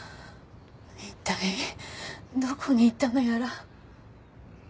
一体どこに行ったのやら。